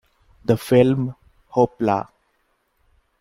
The film Hoppla!